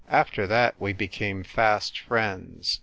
After that we became fast friends.